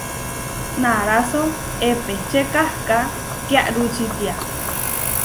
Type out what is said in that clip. Naráso epečé kahká kiarú čitiá.